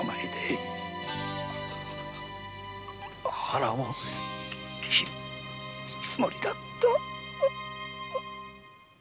腹を切るつもりだった。